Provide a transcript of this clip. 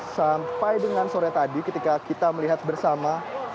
sampai dengan sore tadi ketika kita melihat bersama